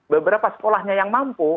beberapa sekolahnya yang mampu